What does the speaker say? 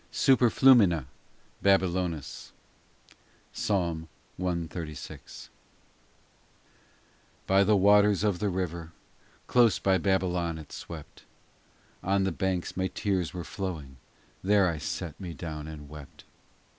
SUPER FLUMINA BABYLONIS *; (Ps. cxxxvi.) i BY the waters of the river Close by Babylon it swept On the banks my tears were flowing There I set me down and wept.